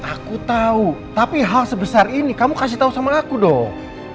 aku tahu tapi hal sebesar ini kamu kasih tahu sama aku dong